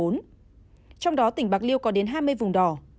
trong đó tỉnh bạc liêu có đến hai mươi vùng đỏ